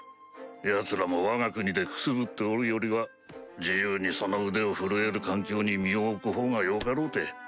ヤツらもわが国でくすぶっておるよりは自由にその腕を振るえる環境に身を置くほうがよかろうて。